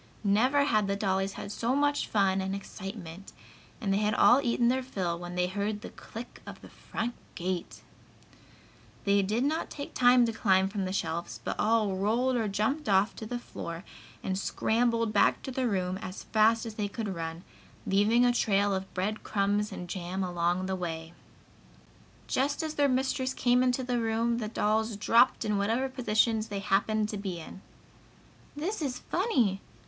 Never had the dolls had so much fun and excitement, and they had all eaten their fill when they heard the click of the front gate. They did not take time to climb from the shelves, but all rolled or jumped off to the floor and scrambled back to their room as fast as they could run, leaving a trail of bread crumbs and jam along the way. Just as their mistress came into the room the dolls dropped in whatever positions they happened to be in. "This is funny!"